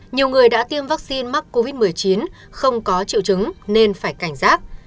nhiều người đã tiêm vaccine mắc covid một mươi chín không có triệu chứng nên phải cảnh giác